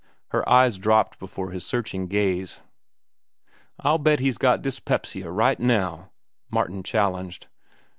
Her eyes dropped before his searching gaze. "I'll bet he's got dyspepsia right now!" Martin challenged.